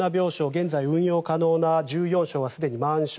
現在、運用可能な１４床はすでに満床。